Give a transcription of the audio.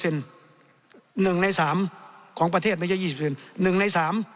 ๑ใน๓ของประเทศไม่ใช่๒๐๑ใน๓